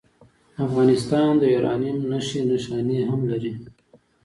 افغانستان د یورانیم نښې نښانې هم لري.